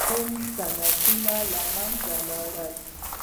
هندي صنعتونه له منځه لاړل.